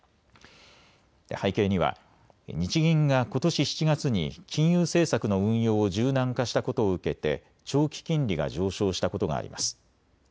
背景には日銀がことし７月に金融政策の運用を柔軟化したことを受けて長期金利が上昇したことがあります。